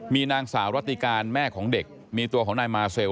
มีนางสาวรัติการแม่ของเด็กมีตัวของนายมาเซล